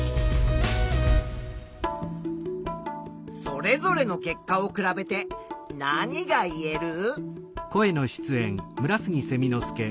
それぞれの結果を比べて何がいえる？